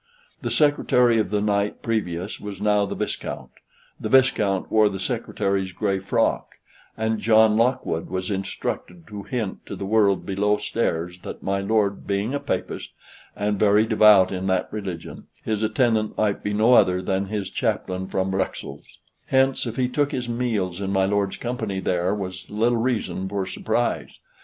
The secretary of the night previous was now the viscount; the viscount wore the secretary's gray frock; and John Lockwood was instructed to hint to the world below stairs that my lord being a Papist, and very devout in that religion, his attendant might be no other than his chaplain from Bruxelles; hence, if he took his meals in my lord's company there was little reason for surprise.